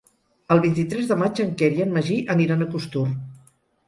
El vint-i-tres de maig en Quer i en Magí aniran a Costur.